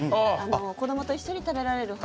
子どもと一緒に食べられる本。